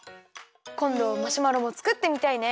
こんどマシュマロもつくってみたいね！